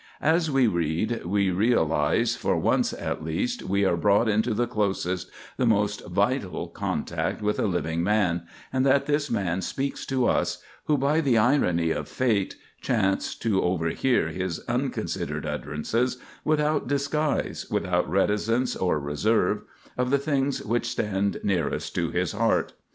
As we read, we realize that, for once at least, we are brought into the closest, the most vital contact with a living man, and that this man speaks to us, who, by the irony of fate, chance to overhear his unconsidered utterances, without disguise, without reticence or reserve, of the things which stand nearest to his heart.